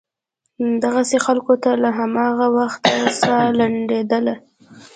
دغسې خلکو ته له هماغه وخته سا لنډېدله.